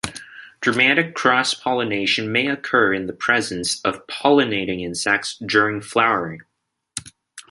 Dramatic cross-pollination may occur in the presence of pollinating insects during flowering.